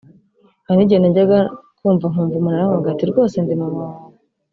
Hari n’igihe najyaga kumva nkumva umuntu arampamagaye ati ‘Rwose ndi mama wawe